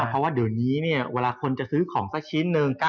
เพราะว่าเดี๋ยวนี้เวลาคนจะซื้อของสักชิ้นหนึ่ง